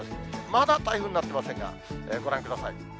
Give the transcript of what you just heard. まだ台風になってませんが、ご覧ください。